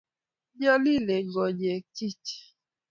nyalilen konyek chich